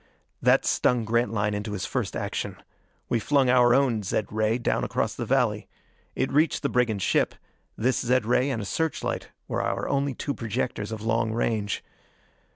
That stung Grantline into his first action. We flung our own zed ray down across the valley. It reached the brigand ship; this zed ray and a search light were our only two projectors of long range.